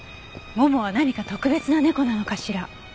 ももは何か特別な猫なのかしら？